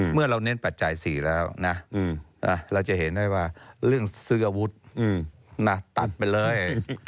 เมื่อเราเน้นปัจจัย๔แล้วนะเราจะเห็นได้ว่าเรื่องซื้ออาวุธตัดไปเลย